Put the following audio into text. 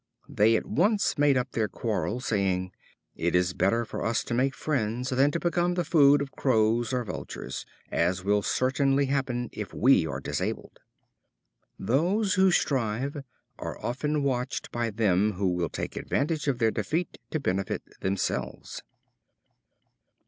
They at once made up their quarrel, saying: "It is better for us to make friends, than to become the food of Crows or Vultures, as will certainly happen if we are disabled." Those who strive are often watched by others who will take advantage of their defeat to benefit themselves.